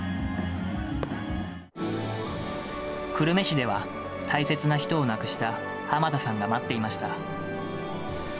久留米市では、大切な人を亡くした浜田さんが待っていました。